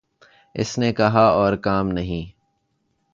اس نے کہا اور کام نہیں